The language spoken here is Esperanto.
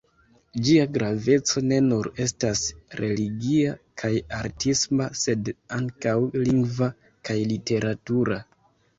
Ĝia graveco ne nur estas religia kaj artisma, sed ankaŭ lingva kaj literatura.